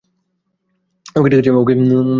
ওকে, ঠিকাছে।